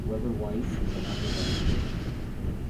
Weberwiese is an underground station.